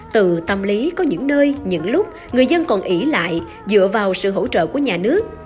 từ tâm lý có những nơi những lúc người dân còn ỉ lại dựa vào sự hỗ trợ của nhà nước